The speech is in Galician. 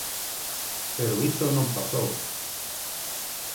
Pero iso non pasou.